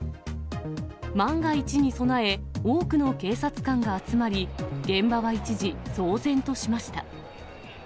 万が一に備え、多くの警察官が集まり、現場は一時、騒然としました。